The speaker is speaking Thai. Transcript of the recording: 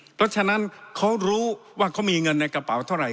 เพราะฉะนั้นเขารู้ว่าเขามีเงินในกระเป๋าเท่าไห